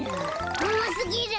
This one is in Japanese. おもすぎる。